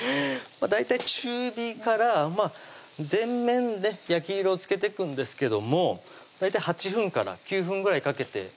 大体中火から全面ね焼き色をつけていくんですけども大体８分から９分ぐらいかけて全面焼いていきます